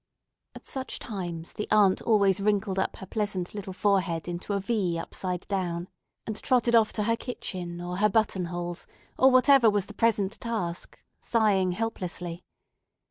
At such times the aunt always wrinkled up her pleasant little forehead into a V upside down, and trotted off to her kitchen, or her buttonholes, or whatever was the present task, sighing helplessly.